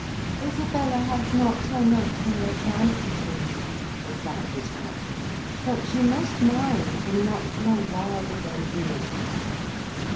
"Isabella has not her natural advantages," replied his wife: "but she must mind and not grow wild again here.